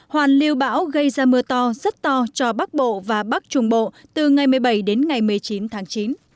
hoàn liều bão gây ra mưa to rất to cho bắc bộ và bắc trung bộ từ ngày một mươi bảy một mươi chín tháng chín